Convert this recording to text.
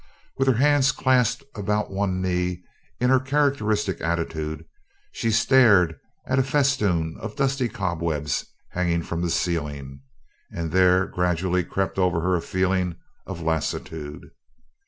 With her hands clasped about one knee, in her characteristic attitude, she stared at a festoon of dusty cobwebs hanging from the ceiling, and there gradually crept over her a feeling of lassitude.